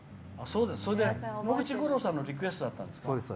野口五郎さんのリクエストだったんですか。